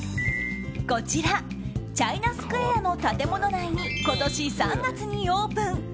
こちらチャイナスクエアの建物内に今年３月にオープン。